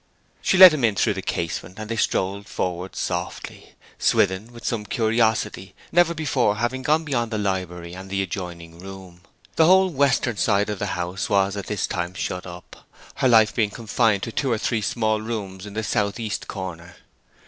She let him in through the casement, and they strolled forward softly, Swithin with some curiosity, never before having gone beyond the library and adjoining room. The whole western side of the house was at this time shut up, her life being confined to two or three small rooms in the south east corner.